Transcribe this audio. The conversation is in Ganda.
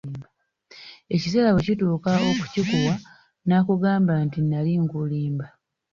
Ekiseera bwe kituuka okukikuwa nakugamba nti nnali nkulimba.